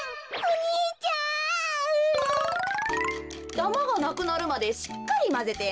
ダマがなくなるまでしっかりまぜてや。